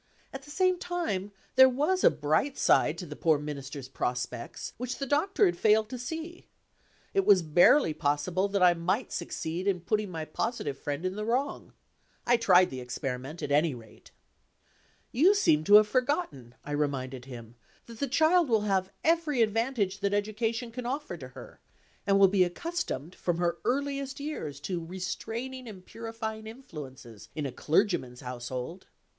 At the same time, there was a bright side to the poor Minister's prospects which the Doctor had failed to see. It was barely possible that I might succeed in putting my positive friend in the wrong. I tried the experiment, at any rate. "You seem to have forgotten," I reminded him, "that the child will have every advantage that education can offer to her, and will be accustomed from her earliest years to restraining and purifying influences, in a clergyman's household."